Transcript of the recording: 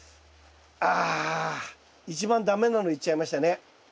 あ一番駄目なのいっちゃいましたね。